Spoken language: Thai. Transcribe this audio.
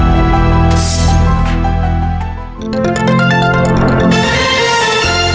โปรดติดตามตอนต่อไป